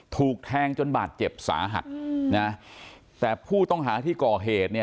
ถูกแทงจนบาดเจ็บสาหัสนะแต่ผู้ต้องหาที่ก่อเหตุเนี่ย